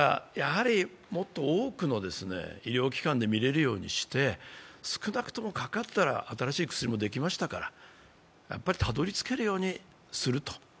やはりもっと多くの医療機関で診れるようにして、少なくとも、かかったら新しい薬もできましたからたどり着けるようにすると。